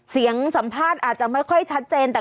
เสียงสัมภาษณ์อาจจะไม่ค่อยชัดเจนแต่